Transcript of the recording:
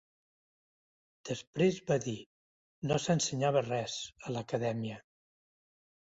Després va dir, "No s'ensenyava res" a l'Acadèmia.